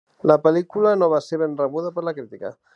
La pel·lícula no va ser ben rebuda per la crítica.